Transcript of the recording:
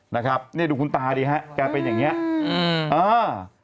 นะครับเนี่ยดูคุณตาดีฮะแกเป็นอย่างเงี้อืมอ่า